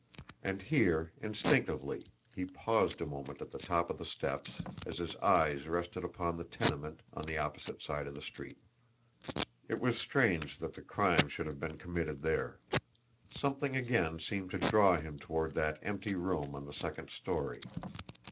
And here, instinctively, he paused a moment at the top of the steps, as his eyes rested upon the tenement on the opposite side of the street. It was strange that the crime should have been committed there! Something again seemed to draw him toward that empty room on the second story.